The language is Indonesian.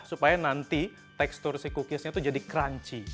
supaya nanti tekstur si cookiesnya itu jadi crunchy